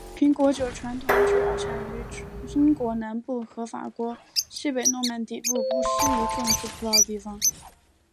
苹果酒传统主要产于英国南部和法国西北诺曼底不适宜种植葡萄的地方。